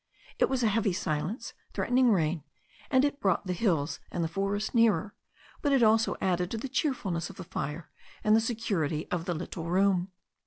It was a heavy si lence threatening rain, and it brought the hills and the forest nearer, but it also added to the cheerfulness of the fire and the security of the little room.